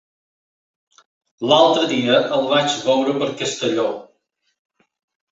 L'altre dia el vaig veure per Castelló.